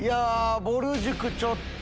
ぼる塾ちょっと。